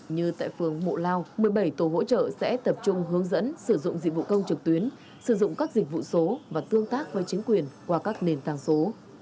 như tại phường mụ lao một mươi bảy tổ hỗ trợ sẽ tập trung hướng dẫn sử dụng dịch vụ công trực tuyến sử dụng các dịch vụ số và tương tác với chính quyền qua các nền tảng số